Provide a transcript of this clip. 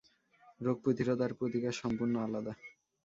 রোগ প্রতিরোধ আর প্রতিকার সম্পূর্ণ আলাদা।